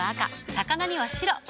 魚には白。